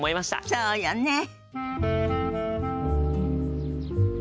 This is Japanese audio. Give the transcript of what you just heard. そうだねえ